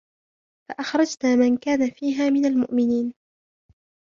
فَأَخْرَجْنَا مَنْ كَانَ فِيهَا مِنَ الْمُؤْمِنِينَ